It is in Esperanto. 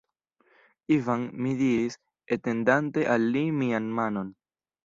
Ivan, mi diris, etendante al li mian manon.